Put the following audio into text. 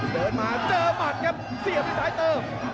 เสี่ยงมาทั้งสายเติม